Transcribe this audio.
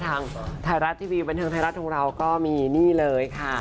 คุณผู้ชมไม่เจนเลยค่ะถ้าลูกคุณออกมาได้มั้ยคะ